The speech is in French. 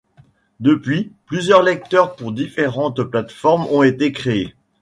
Depuis, plusieurs lecteurs pour différentes plateformes ont été créés.